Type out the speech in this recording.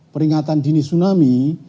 peringatan dini tsunami